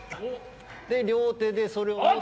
で両手でそれを。